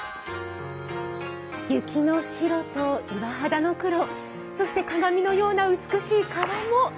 雪の白と岩肌の黒そして、鏡のような美しい川面。